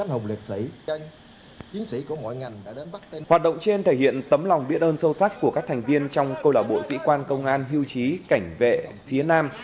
hoạt động trên thể hiện tấm lòng biết ơn sâu sắc của các thành viên trong câu lạc bộ sĩ quan công an hưu trí cảnh vệ phía nam